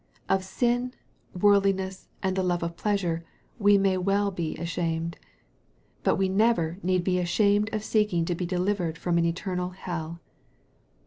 Of sin, worldliness, and the love of pleasure, we may well be ashamed. But we never need be ashamed of seeking to be delivered from an eternal hell.